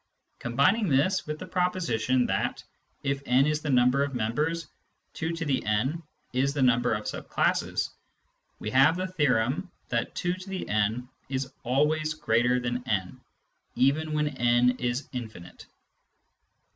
Combining this with the proposition that, if n is the number of members, 2 n is the number of sub classes, we have the theorem that 2" is always greater than n, even when n is infinite.